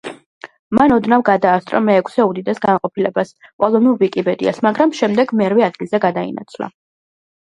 მან ოდნავ გადაასწრო მეექვსე უდიდეს განყოფილებას, პოლონურ ვიკიპედიას, მაგრამ შემდეგ მერვე ადგილზე გადაინაცვლა.